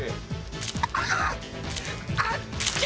あっ！